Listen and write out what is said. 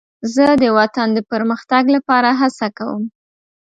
زه د وطن د پرمختګ لپاره هڅه کوم.